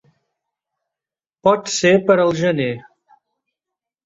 Pot ser per al gener?